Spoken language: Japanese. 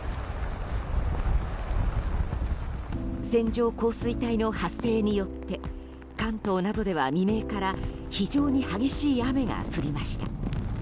線状降水帯の発生によって関東などでは未明から非常に激しい雨が降りました。